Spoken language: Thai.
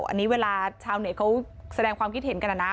อันนี้เวลาชาวเน็ตเขาแสดงความคิดเห็นกันนะ